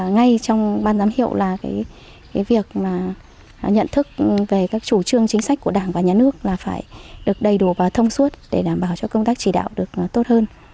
ngay trong ban giám hiệu là cái việc mà nhận thức về các chủ trương chính sách của đảng và nhà nước là phải được đầy đủ và thông suốt để đảm bảo cho công tác chỉ đạo được tốt hơn